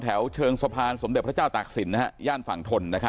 เชิงสะพานสมเด็จพระเจ้าตากศิลปย่านฝั่งทน